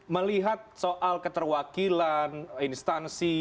melihat soal keterwakilan instansi